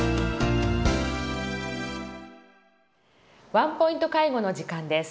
「ワンポイント介護」の時間です。